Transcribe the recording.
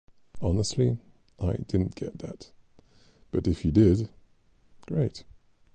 Honestly I didn’t get that but if you did, great.